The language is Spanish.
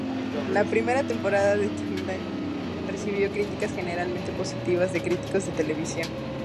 La primera temporada de "Timeless" recibió críticas generalmente positivas de críticos de televisión.